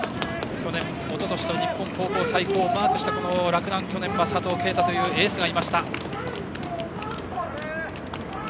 去年、おととしと日本高校最高をマークしたこの洛南、去年は佐藤圭汰というエースがいました。